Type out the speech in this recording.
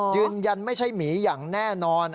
ยืนยันไม่ใช่หมีอย่างแน่นอน